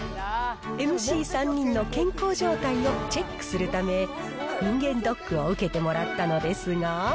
ＭＣ３人の健康状態をチェックするため、人間ドックを受けてもらったのですが。